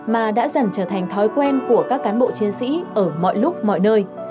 mà đã dần trở thành thói quen của các cán bộ chiến sĩ ở mọi lúc mọi nơi